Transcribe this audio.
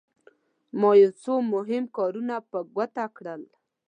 ما یو څو مهم کارونه په ګوته کړل.